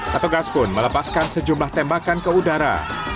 petugas pun melepaskan sejumlah tembakan ke udara